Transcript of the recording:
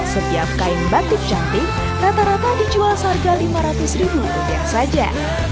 setiap kain batik cantik rata rata dijual seharga lima ratus ribu rupiah saja